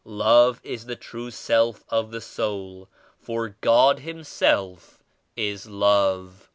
Love is the true self of the soul, for God Himself is Love."